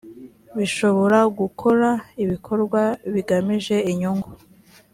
bishobora gukora ibikorwa bigamije inyungu